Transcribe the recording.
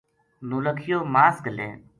نولکھیو ماس گھلے